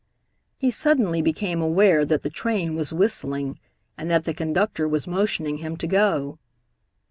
He suddenly became aware that the train was whistling and that the conductor was motioning him to go.